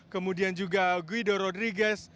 kemudian juga guido rodriguez